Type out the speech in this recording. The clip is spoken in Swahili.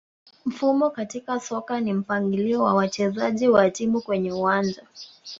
Mfumo katika soka ni mpangilio wa wachezaji wa timu kwenye uwanja